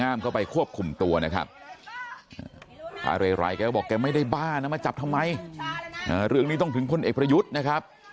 ้าในในแกบอกแกไม่ได้บ้านมาจับทำไมเรื่องนี้ต้องถึงพ่นเอกประยุทธ์นะครับ